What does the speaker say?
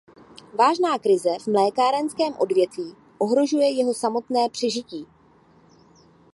Vážná krize v mlékárenském odvětví ohrožuje jeho samotné přežití.